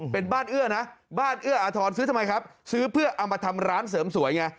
เป็นบ้านเอื้อนะบ้านเอื้ออาทรซื้อทำไมครับซื้อเพื่อเอามาทำร้านเสริมสวยไง